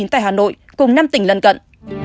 tại hà nội cùng năm tỉnh lân cận